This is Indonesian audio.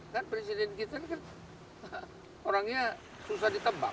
kan presiden kita ini kan orangnya susah ditebak